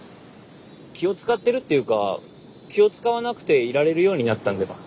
気をつかってるっていうか気をつかわなくていられるようになったんでは？